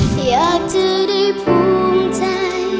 อยากจะได้ภูมิใจ